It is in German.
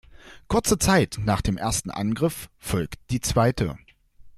Kurze Zeit nach dem ersten Angriff folgt die zweite.